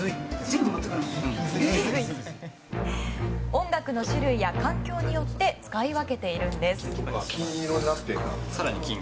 音楽の種類や環境によって使い分けているんです。